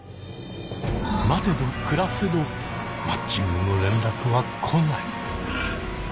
待てど暮らせどマッチングの連絡は来ない。